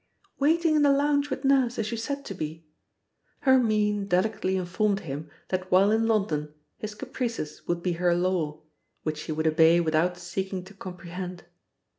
"Waiting in the lounge with Nurse, as you said to be." Her mien delicately informed him that while in London his caprices would be her law, which she would obey without seeking to comprehend.